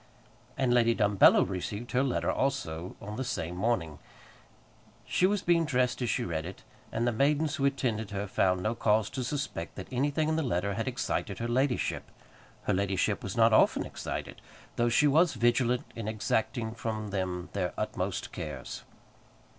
And Lady Dumbello received her letter also on the same morning. She was being dressed as she read it, and the maidens who attended her found no cause to suspect that anything in the letter had excited her ladyship. Her ladyship was not often excited, though she was vigilant in exacting from them their utmost cares.